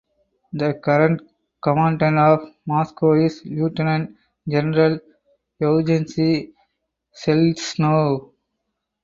The current Commandant of Moscow is Lieutenant General Yevgeny Seleznev.